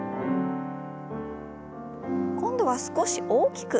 今度は少し大きく。